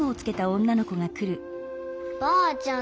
ばあちゃん